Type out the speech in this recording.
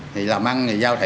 thì làm ăn thì giao trình